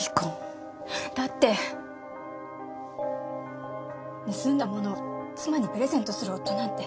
だって盗んだものを妻にプレゼントする夫なんて。